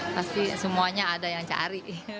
pasti semuanya ada yang cari